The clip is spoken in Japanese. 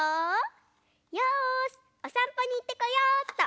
よしおさんぽにいってこようっと。